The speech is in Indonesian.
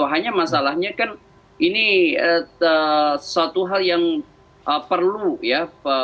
hanya masalahnya kan ini suatu hal yang perlu ya